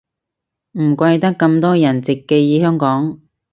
唔怪得咁多人直寄香港